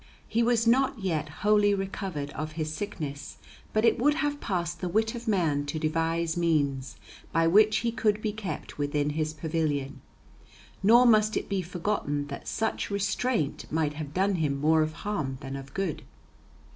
He was not yet wholly recovered of his sickness; but it would have passed the wit of man to devise means by which he could be kept within his pavilion; nor must it be forgotten that such restraint might have done him more of harm than of good.